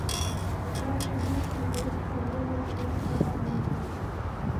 په پای کې لوښي، برش او نور وسایل پاک پرېمنځئ.